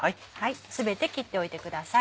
全て切っておいてください。